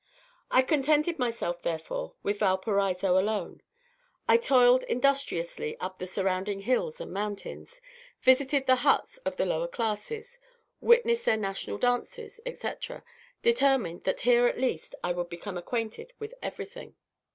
I contented myself, therefore, with Valparaiso alone. I toiled industriously up the surrounding hills and mountains, visited the huts of the lower classes, witnessed their national dances, etc., determined that here at least I would become acquainted with everything.